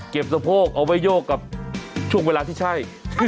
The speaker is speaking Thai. สะโพกเอาไว้โยกกับช่วงเวลาที่ใช่